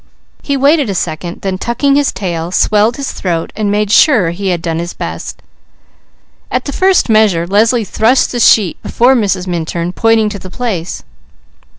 He waited a second, then tucking his tail, swelled his throat, and made sure he had done his best. At the first measure, Leslie thrust the sheet before Mrs. Minturn, pointing to the place.